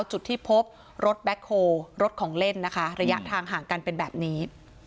จุดที่พบรถแบ็คโฮลรถของเล่นนะคะระยะทางห่างกันเป็นแบบนี้